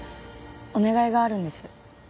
お願いがあるんです。